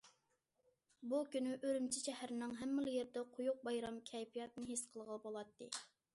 بۇ كۈنى ئۈرۈمچى شەھىرىنىڭ ھەممىلا يېرىدە قويۇق بايرام كەيپىياتىنى ھېس قىلغىلى بولاتتى.